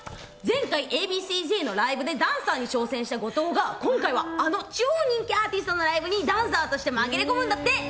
前回、Ａ．Ｂ．ＣーＺのライブでダンサーに挑戦した後藤が、今回はあの超人気アーティストのライブにダンサーとして紛れ込むんだって。